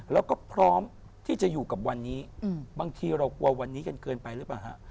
แล้วก็พร้อมที่จะอยู่กับวันนี้บางทีเรากลัววันนี้กันเกินไปหรือเปล่าฮะ